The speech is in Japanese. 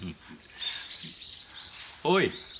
おい！